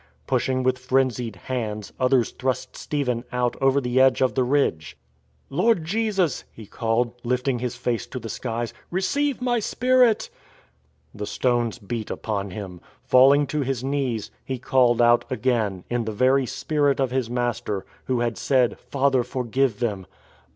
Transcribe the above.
Pushing with frenzied hands, others thrust Stephen out over the edge of the ridge. " Lord Jesus," he called, lifting his face to the skies, " receive my spirit." The stones beat upon him. Falling to his knees, he called out again, in the very spirit of his Master, Who had said, " Father, forgive them!"